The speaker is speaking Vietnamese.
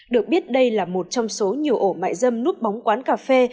được biết đây là một trong số nhiều ổ mại dâm núp bóng quán cà phê